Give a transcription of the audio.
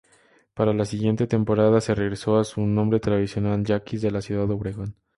Para la siguiente temporada se regresó a su nombre tradicional Yaquis de Ciudad Obregón.